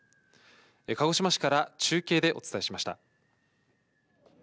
鹿児島市から中継でお伝えしました。